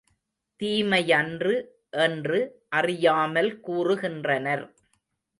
தீமையன்று என்று அறியாமல் கூறுகின்றனர்.